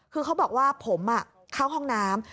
คือเขาบอกว่าผมเข้าห้องน้ำ